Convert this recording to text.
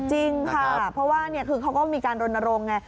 จริงค่ะเพราะว่าเขาก็มีการลนโรงไง